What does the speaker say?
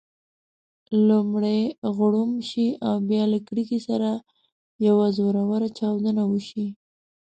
لومړی غړومب شي او بیا له کړېکې سره یوه زوروره چاودنه وشي.